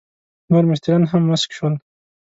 نور مستریان هم مسک شول.